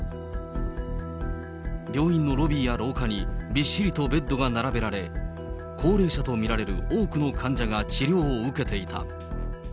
病院のロビーや廊下にびっしりとベッドが並べられ、高齢者と見られる多くの患者が治療を受けていた。